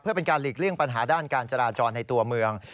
เพื่อเป็นการหลีกเลี่ยงปัญหาด้านการจราจรในตัวเมือง